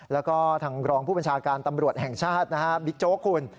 แล้วก็ทางรองผู้บัญชาการตำรวจแห่งชาตินะฮะบิ๊กโจ๊กคุณ